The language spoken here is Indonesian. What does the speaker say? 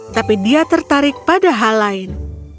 tapi dia tertarik pada hal lain